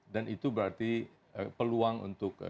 dan itu berarti peluang untuk kolusi